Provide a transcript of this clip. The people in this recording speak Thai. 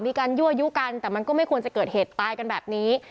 มีการยั่วยุกันแต่มันก็ไม่ควรจะเกิดเหตุตายกันแบบนี้